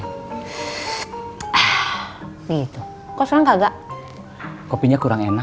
gitu kok sekarang kagak kopinya kurang enak